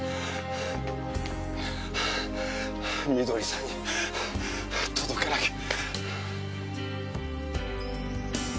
慧さんに届けなきゃ。